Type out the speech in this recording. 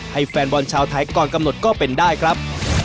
แฟนบอลชาวไทยก่อนกำหนดก็เป็นได้ครับ